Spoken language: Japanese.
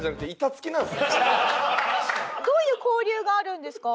どういう交流があるんですか？